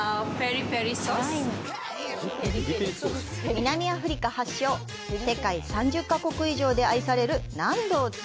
南アフリカ発祥、世界３０か国以上で愛されるＮａｎｄｏ’ｓ。